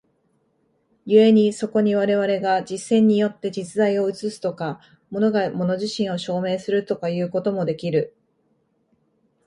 故にそこに我々が実践によって実在を映すとか、物が物自身を証明するとかいうこともできる。